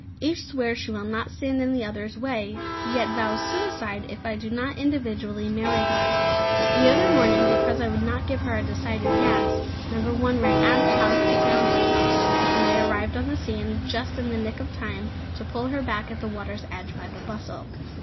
Each swears she will not stand in the others' way, yet vows suicide if I do not individually marry her. The other morning, because I would not give her a decided "Yes," No. 1 ran out of the house to drown herself, and I arrived on the scene just in the nick of time to pull her back at the water's edge, by the bustle.